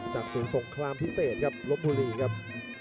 ศูนย์สงครามพิเศษครับลบบุรีครับ